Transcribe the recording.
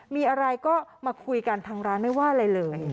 มีอะไรก็มาคุยกันทางร้านไม่ว่าอะไรเลย